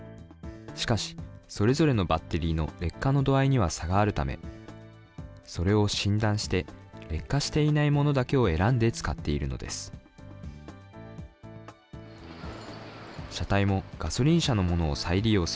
しかし、それぞれのバッテリーの劣化の度合いには差があるため、それを診断して、劣化していないものだけを選んで使っているのです。